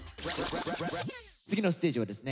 次のステージはですね